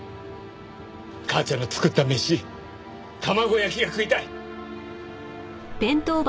母ちゃんの作った飯卵焼きが食いたい。